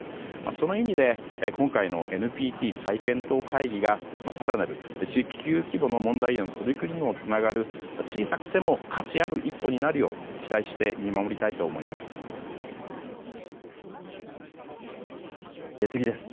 その意味で今回のＮＰＴ再検討会議が更なる地球規模の問題への取り組みにもつながる、小さくても価値ある一歩になるよう期待して見守りたいと思います。